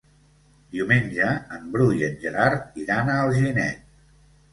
Diumenge en Bru i en Gerard iran a Alginet.